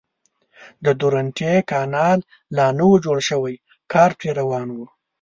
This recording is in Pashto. د درونټې کانال لا نه و جوړ شوی کار پرې روان و.